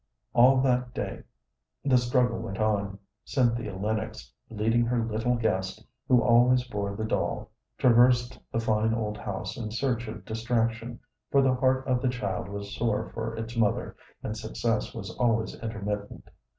All that day the struggle went on. Cynthia Lennox, leading her little guest, who always bore the doll, traversed the fine old house in search of distraction, for the heart of the child was sore for its mother, and success was always intermittent.